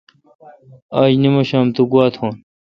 آج نمشام تو گوا تھون۔